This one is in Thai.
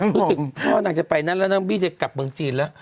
รู้สึกพ่อนักจะไปนั่นแล้วนั่นนั่นบีจะกลับเมืองจีนแล้ว